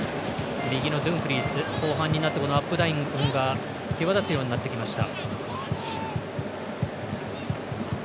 右のドゥンフリース後半に入って、アップダウンが際立つようになってきました。